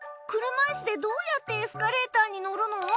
車いすでどうやってエスカレーターに乗るの？